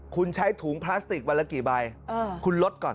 คุณใช้ถุงพลาสติกวันละกี่ใบคุณลดก่อน